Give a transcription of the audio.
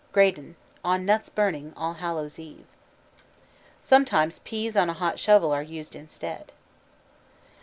GRAYDON: On Nuts Burning, Allhallows Eve. Sometimes peas on a hot shovel are used instead.